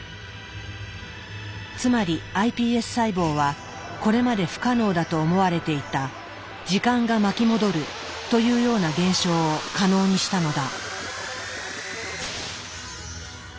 つまりｉＰＳ細胞はこれまで不可能だと思われていた「時間が巻き戻る」というような現象を可能にしたのだ。